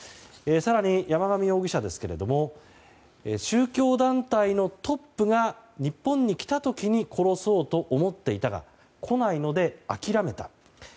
更に山上容疑者ですが宗教団体のトップが日本に来た時に殺そうと思っていたが来ないので、諦めた。